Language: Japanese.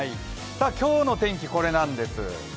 今日の天気、これなんです。